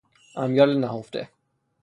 امیال نهفته